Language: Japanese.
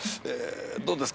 どうですか？